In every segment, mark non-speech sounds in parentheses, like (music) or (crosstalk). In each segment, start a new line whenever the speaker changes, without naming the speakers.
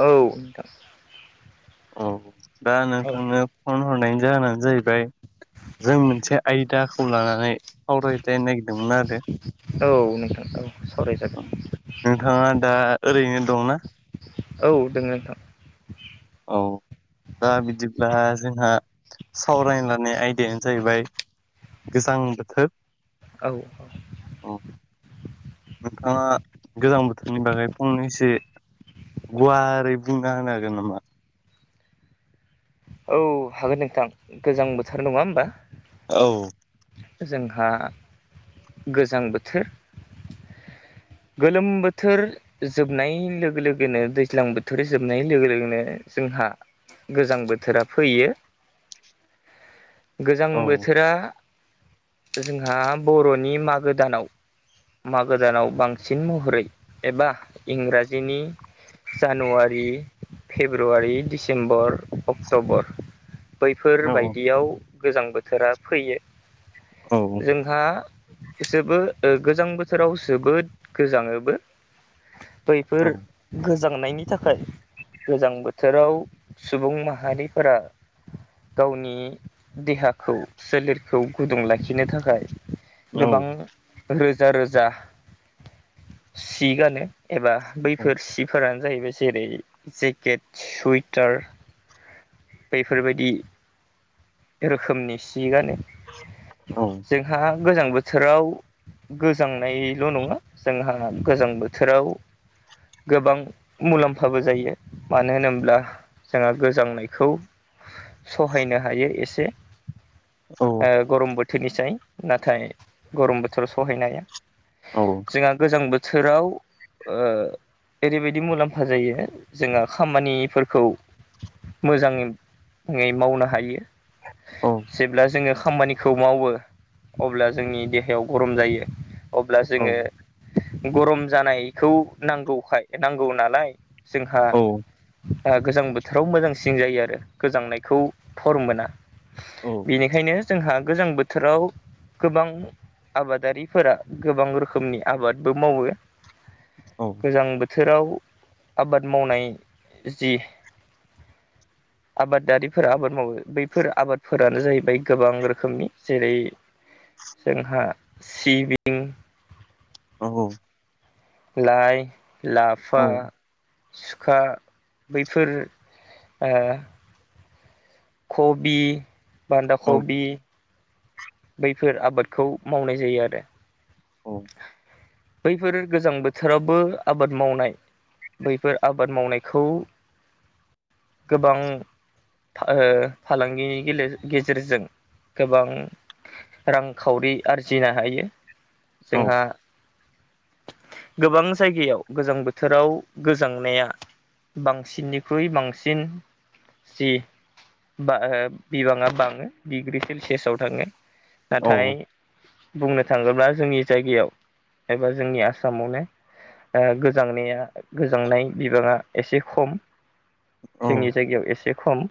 औ नोंथां
औ दा नोंथांनो फन हरनायनि जाहोनानो जाहैबाय जों मोनसे आयदाखौ लानानै सावराय जानो (unintelligible) नागिरदोंमोन आरो
औ नोंथां औ सावरायजागोन
नोंथाङा दा ओरैनो दंना?
औ दोङो नोंथां।
औ दा बिदिब्ला जोंहा सावरायनो लानाय आयदाया जाहैबाय गोजां बोथोर
औ औ
औ नोंथाङा गोजां बोथोरनि बागै फंनैसो गुवारै बुंना होनो हागोन नामा?
औ हागोन नोंथां गोजां बोथोर नङा होमबा?
औ
जोंहा गोजां बोथोर
(inaudible)
गोलोम बोथोर जोबनाय लोगो लोगोनो दैज्लां बोथोर जोबनाय लोगो लोगोनो जों जोंहा गोजां बोथोरा फैयो।
(inaudible)
गोजां बोथोरा जोंहा बर'नि मागो दानाव मागो दानाव बांसिन बहरै एबा इंराजिनि जानुवारि फेब्रुवारि डिसेम्बर अक्ट'बर
औ
बैफोरबायायदियाव गोजां बोथोरा फैयो
औ
जोंहा जोबो गोजां बोथोराव जोबोद गोजाङोबो। बैफोर
औ
गोजांनायनि थाखाय गोजां बोथोराव सुबुं माहारिफोरा गावनि देहाखौ सोलेर खौ गुदुं लाखिनो थाखाय
औ
गोबां रो रोजा रोजा सि गानो एबा बैफोर सिफोरानो जाहैबाय जेरै जेकेट सुइटार बैफोरबायदि रोखोमनि सि गानो
औ
जोंहा गोजां बोथोराव गोजांनायल' नङा जोंहा गोजां बोथोराव गोबां मुलाम्फाबो जायो मानो होनोब्ला जोंहा गोजांनायखौ सहायनो हायो ए से ओ गरम बो थोर निसाय नाथाय गरम बोथोराव सहायनो हाया
औ
जोंहा गोजां बो थोराव ओरैबायदि मुलाम्फा जायो जोंहा खामानिफोरखौ मोजाङै मावनो हायो जेब्ला जोङो खामानिखौ मावो अब्ला जोंनि देहायाव गरम जायो अब्ला
औ
जोङो गरम जानायखौ नांगौखाय नांगौ नालाय जोंहा गोजां बोथोराव मोजांसिन जायो आरो गोजांनायखौ थर मोना बेनिखायनो जोंहा गोजां बोथोराव गोबां आबादारिफोरा गोबां रोखोमनि आबादबो मावो
औ
गोजां बो थोराव आबाद मावनाय जि आबादारिफोरा आबाद मावो बै फोर आबादफोरानो जाहैबाय गोबां रोखोमनि जेरै जोंहा सिबिं
औ
लाइ लाफा सुखा बैफोर ओ खबि बान्दाखबि बैफोर आबादखौ मावनाय जायो आरो
औ
बैफोर गोजां बोथोरावबो आबाद मावनाय बैफोर आबाद मावनायखौ गोबां ओ फालांगिनि गेजेरजों गोबां रांखावरि आरजिनो हायो जोंहा
(inaudible)
गोबां जायगायाव गोजां बोथोराव गोजांनाया बांसिननिख्रुइ बांसिन जि बा बिबाङा बाङो डिग्रि सेलसियासाव थाङो नाथाय बुंनो थाङोब्ला जोंनि जायगायाव एबा जोंनि आसामावनो गोजांनाया गोजांनाय बिबाङा एसे खम जोंनि जायगायाव एसे खम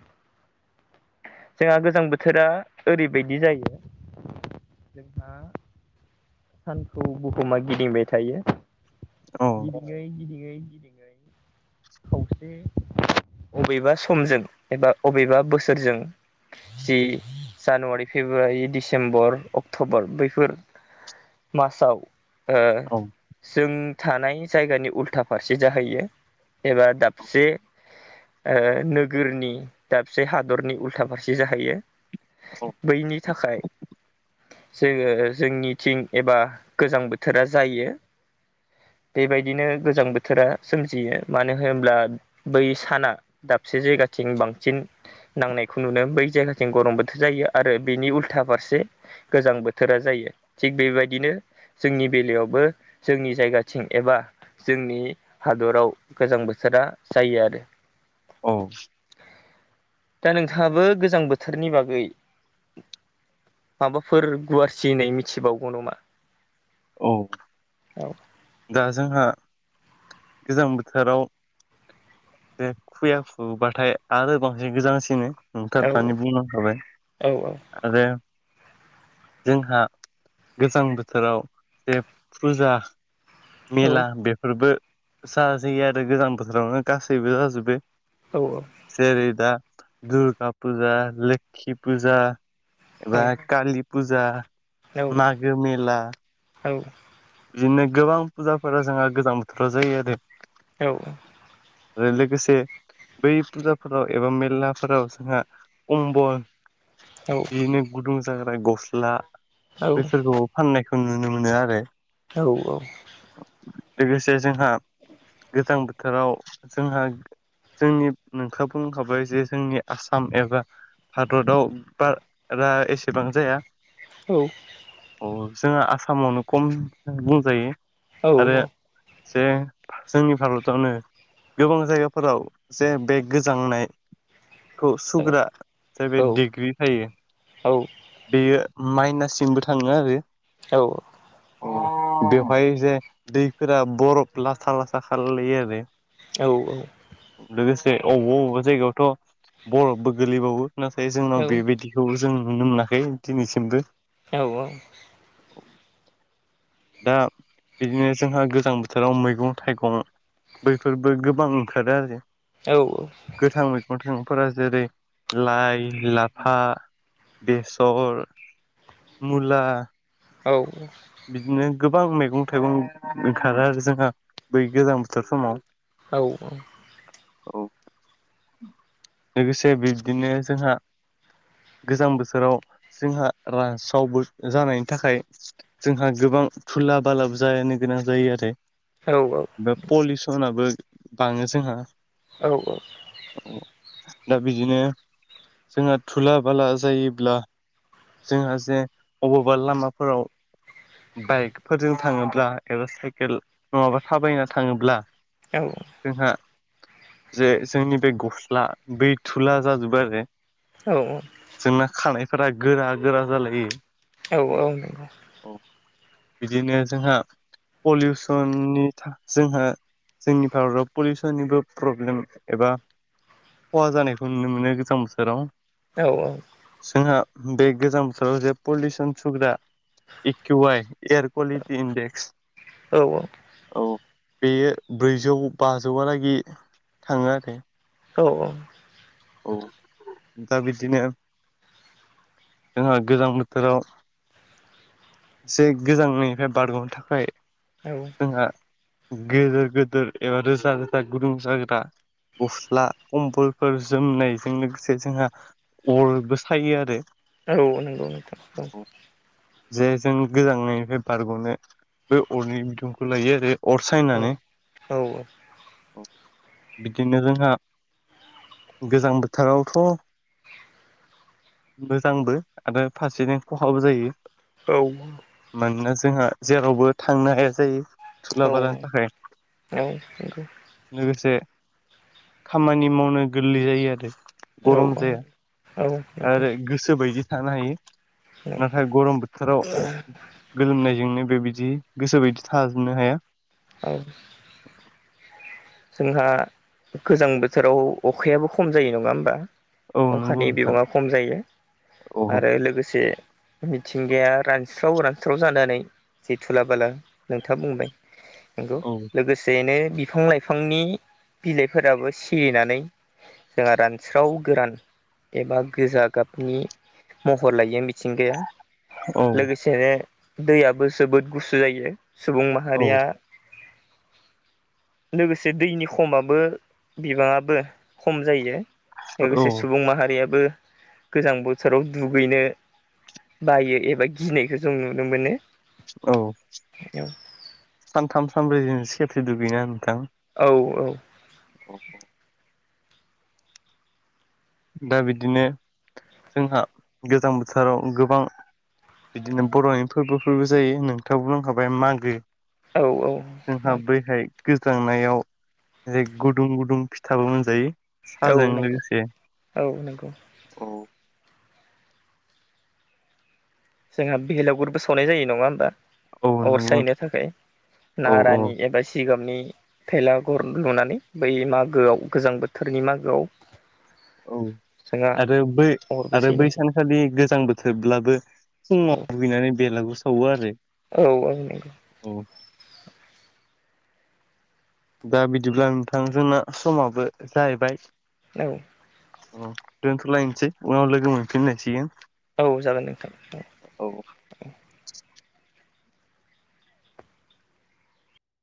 जोंहा गोजां बोथोरा ओरैबायदि जायो जोंहा सानखौ बुहुमा गिदिंबाय थायो गिदिङै गिदिङै खावसे बबेबा समजों एबा बबेबा बोसोरजों जि जानुवारि फेब्रुवारि डिसेम्बर अक्ट'बर बैफोर मासाव ओ जों थानाय जायगानि उल्था फारसे जाहैयो एबा दाबसे ओ नोगोरनि दाबसे हादरनि उल्था फारसे जाहैयो बैनि थाखाय जोङो जोंनिथिं एबा गोजां बोथोरा जायो
(inaudible)
बेबायदिनो गोजां बोथोरा सोमजियो मानो होनब्ला बै साना दाबसे जायगा बांसिन नांनायखौ नुनो बै जायगाथिं गरम बोथोर जायो आरो बेनि उल्था फारसे गोजां बोथोरा जायो थिग बेबाय दिनो जोंनि बेलायावबो जोंनि जायगाथिं एबा जोंनि हादराव गोजां बोथोरा जायो आरो।
औ
दा नोंथाङाबो गोजां बोथोरनि बागै माबाफोर गुवारसिनै मिथिबावगौ नामा?
औ
औ
दा जोंहा गोजां बोथोराव बे खुया खुबाथाय आरो बांसिन गोजांसिनो।
औ
नोंथाङा दानि बुंलांखाबाय
औ
आरो। जोंहा गोजां बोथोराव जे फुजा
औ
मेला बेफोरबो जा जायो आरो गोजां बोथोरावनो गासैबो जाजोबो।
औ औ
जेरै दा दुर्गा फुजा लोखि फुजा एबा
जोंहा
कालि फुजा मागो मेला
औ
बिदिनो गोबां फुजाफोरा जोंहा गोजां बोथोराव जायो आरो।
औ
आरो लोगोसे बै फुजाफोराव एबा मेरलाफोराव जोंहा कमबल बिदिनो गुदुं जाग्रा गस्ला बेफोरखौ फाननायखौ जों नुनो मोनो आरो।
औ औ
लोगोसे जोंहा गोजां बोथोराव जोंहा जोंनि नोंथाङा बुंखाबाय जे जोंनि आसाम एबा हादराव बारा एसेबां जाया
औ
औ जोंहा आसामावनो खम बुंजायो।
औ
आरो
औ
जे जोंनि भारतावनो गोबां जायगाफोराव जे बे गोजांनाय खौ सुग्रा बे दिग्रि थायो बेयो माइनासिमबो थाङो आरो।
औ औ
बेवहाय जे दैफोरा बरफ लाथा लाथा खालालाय लायो आरो।
औ औ
अबबा अबबा जायगायावथ' बरफबो गोलैबावो नाथाय जोंनाव बेबायदिखौ जों नुनो मोनाखै दिनैसिमबो
औ औ
दा बिदिनो जोंहा गोजां बोथोराव मैगं थाइगं बैफोरबो गोबां ओंखारो आरो।
औ औ
सुबुंफोरा जेरै लाइ, लाफा, बेसर मुला
औ
बिदिनो गोबां मैगं थाइगं ओंखारो आरो जोंहा बै गोजां बोथोर समाव
औ औ
औ लोगोसे बिब्दिनो जोंहा गोजां बोसोराव जोंहा रासावबो जानायनि थाखाय जोंहा गोबां थुला बालाबो जानो गोनां जायो आरो ब बा पलिउसनाबो बाङो जोंहा
औ औ
दा बिदिनो जोंहा थुला बाला जायोब्ला जोंहा जे अबावबा लामाफोराव बाइकफोरजों थाङोब्ला एबा साइकेल नङाबा थाबायना थाङोब्ला जोंहा जे जोंनि बे गस्ला बै धुला जाजोबो आरो जोंना खानायफोरा गोरा गोरा जालायो
औ औ नोंगौ।
औ बिदिनो जोंहा पलिउसननि जोंहा जोंनि भारताव पलिउसननिबो प्रब्लेम एबा खहा जानायखौ नुनो मोनो गोजां बोसोराव
औ औ
बे गोजां बोथोराव जे पलिउसन सुग्रा ए कउ आइ एयार क्वलिटि इडेक्स औ बेयो ब्रैजौ बाजौआलागि थाङो आरो
औ औ
औ दा बिदिनो जोंहा गोजां बोथोराव एसे गोजांनिफ्राय बारग'नो थाखाय जोंहा गोेदोर गोेदोर एबा रोजा रोजा गुदुं जाग्रा गस्ला कम्बलफोर जोमनायजों लोगोसे जोंहा उलबो सायो आरो
औ नोंगौ नोंथां औ
जे जों गोजांनायनिफ्राय बारग'नो बे अरनि बिदुंखौ लायो आरो अर
औ
सायनानै
औ औ
बिदिनो जोंहा गोजां बोथोरावथ' मोजांबो आरो फारसेथिं खहाबो जायो
औ
मानोना जोंहा जेरावबो थांनो हाया जायो। सुलाबा लानो थाखाय लोगोसे खामानि मावनो गोरलै जायो आरो।
औ
गरम जाया
औ औ।
आरो गोसोबायदि थानो हायो। नाथाय गरम बोथोराव गोलोमनायजोंनो ओ बिदि गोसो बायदि थाजोबनो हाया।
जोंहा गोजां बोथोराव अखायाबो खम जायो नङा होमबा?
औ नंगौ
अखानि
नोंथां
बिबाङा खम जायो
औ
आरो लोगोसे मिथि मिथिंगाया रानस्राव रानस्राव जानानै जे थुला बाला नोंथाङा बुंबाय नंगौ
औ
लोगोसेनो बिफां लाइ बिफांनि बिलाइफोराबो सिरिनानै जोंहा रानस्राव गोरान एबा गोजा गाबनि महर लायै मिथिंगाया।
औ
लोगोसेनो दैयाबो जोबोद गुसु जायो। सुबुं माहारिया लोगोसे दैनि खमाबो बिबाङाबो खम जायो। लोगोसे सुबुं माहारियाबो गोजां बोथोराव दुगैनो बायो एबा गिनायखौ जों नुनो मोनो।
औ सानथाम सानब्रैजों खेबसे दुगैयो ना नोंथां?
औ औ।
औ औ। दा बिदिनो जोंहा गोजां बोथोराव गोबां बिदिनो बर'नि फोरबोफोरबो जायो नोंथाङा बुं बुंखाबाय मागो।
औ
जोंहा बैहाय गोज्रांनायाव जै गुदुं गुदुं फिथाबो मोनजायो।
औ
साहाजों
नंगौ
लोगोसे
औ नंगौ।
औ
जोंहा भेलावगुरबो सावनाय जायो नङा होमबा?
औ
अर
नंगौ
सायैनो थाखाय
औ औ
नारानि एबा जिगाब नि थेलाघर लुनानै बै मागोआव गोजां बोथोरनि मागोआव
औ
जोंहा
आरो बै
अरबो
आरो बै
सैनाय
सानखालि गोजां बोथोरब्लाबो
जायो औ
फुङाव फैनानै बेलागुर सावो आरो।
औ औ नंगौ।
औ दा बिदिब्ला नोंथांजोंना समाबो जाहैबाय।
औ
दोनथ'लायसै उनाव लोगो मोनफिननायसिगोन।
औ जागोन नोंथां औ औ